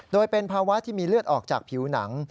โดยเป็นภาวะที่มีเลือดออกจากผิวหนัง